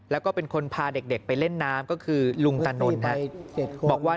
แล้วก็เป็นคนพาเด็กไปเล่นน้ำก็คือลุงตานนบอกว่า